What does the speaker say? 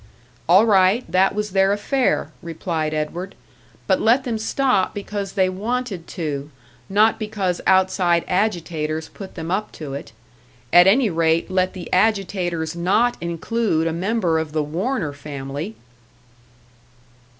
All right, that was their affair, replied Edward. But let them stop because they wanted to not because outside agitators put them up to it. At any rate, let the agitators not include a member of the Warner family!